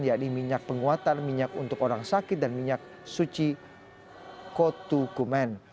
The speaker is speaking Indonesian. yakni minyak penguatan minyak untuk orang sakit dan minyak suci kotukumen